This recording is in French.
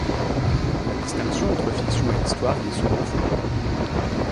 La distinction entre fiction et histoire y est souvent floue.